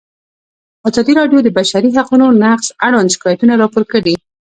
ازادي راډیو د د بشري حقونو نقض اړوند شکایتونه راپور کړي.